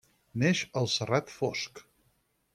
Neix al Serrat Fosc.